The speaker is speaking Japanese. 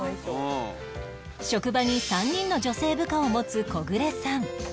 職場に３人の女性部下を持つコグレさん